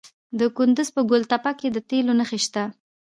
د کندز په ګل تپه کې د تیلو نښې شته.